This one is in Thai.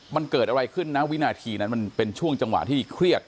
มันเกิดอะไรขึ้นนะวินาทีนั้นมันเป็นช่วงจังหวะที่เครียด